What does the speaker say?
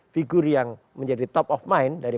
figur yang menjadi top of mind dari